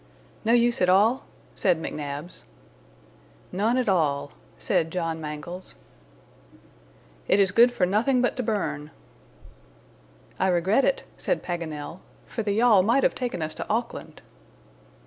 "No use at all?" said McNabbs. "None at all," said John Mangles. "It is good for nothing but to burn." "I regret it," said Paganel, "for the yawl might have taken us to Auckland."